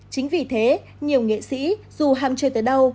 chính vì thế nhiều nghệ sĩ dù ham chơi tới đâu